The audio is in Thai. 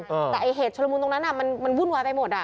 แต่ไอ้เหตุชุลมุนตรงนั้นอ่ะมันมันวุ่นวายไปหมดอ่ะ